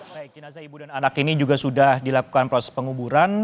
baik jenazah ibu dan anak ini juga sudah dilakukan proses penguburan